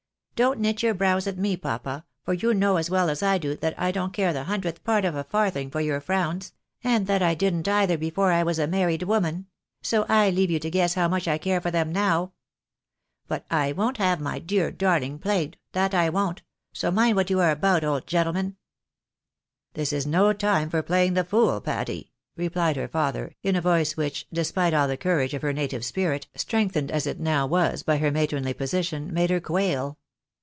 Don't knit your brows at me, papa, for you know as well as I do, that I don't care the hundredth part of a farthing for your frowns — and that I didn't either before I was a married woman ; so I leave you to guess how much I care for them now. But I won't have my dear darUng plagued, that I won't — so mind what you are about, old gentle man." " This is no time for playing the fool, Patty," replied her father, in a voice which, despite all the courage of her native spirit, strengthened as it now was by her matronly position, made her quail.